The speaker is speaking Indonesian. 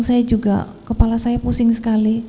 saya juga kepala saya pusing sekali